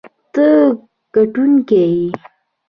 ته ګټونکی یې.